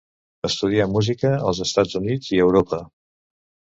Estudià música als Estats Units i a Europa.